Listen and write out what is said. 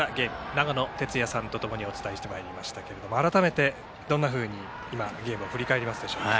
長野哲也さんと共にお伝えしてまいりましたが改めてどんなふうにゲームを振り返りますか。